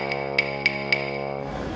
kehendaknya udah punya anak